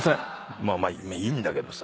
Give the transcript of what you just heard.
まあまあいいんだけどさ。